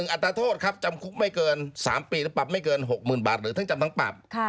อัตราโทษครับจำคุกไม่เกิน๓ปีหรือปรับไม่เกิน๖๐๐๐บาทหรือทั้งจำทั้งปรับ